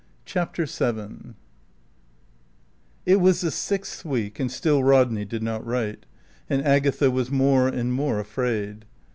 CHAPTER SEVEN It was the sixth week, and still Rodney did not write; and Agatha was more and more afraid.